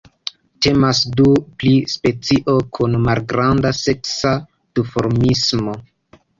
Temas do pri specio kun malgranda seksa duformismo.